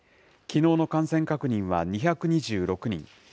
きのうの感染確認は２２６人。